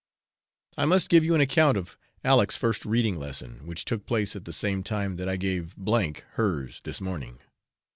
I must give you an account of Aleck's first reading lesson, which took place at the same time that I gave S hers this morning.